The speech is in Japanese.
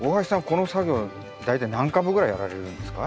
この作業大体何株ぐらいやられるんですか？